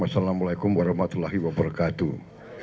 wassalamu'alaikum warahmatullahi wabarakatuh